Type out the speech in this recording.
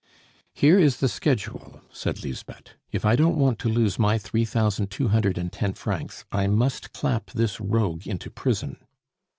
"Here is the schedule," said Lisbeth. "If I don't want to lose my three thousand two hundred and ten francs, I must clap this rogue into prison."